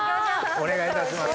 お願いいたします。